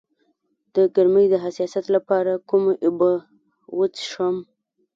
د ګرمۍ د حساسیت لپاره کومې اوبه وڅښم؟